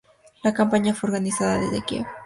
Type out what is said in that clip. La campaña fue organizada desde Kiev.